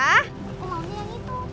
aku mau yang itu